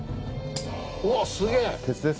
うわっすげえ！